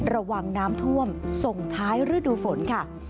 ระวังน้ำท่วมส่งท้ายฤดูฝนค่ะ